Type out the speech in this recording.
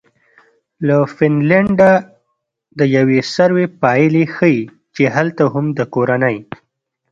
له فنلنډه د یوې سروې پایلې ښیي چې هلته هم د کورنۍ